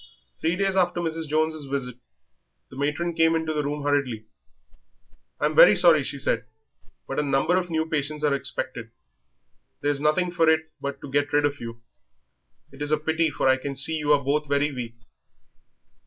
Three days after Mrs. Jones' visit the matron came into their room hurriedly. "I'm very sorry," she said, "but a number of new patients are expected; there's nothing for it but to get rid of you. It is a pity, for I can see you are both very weak."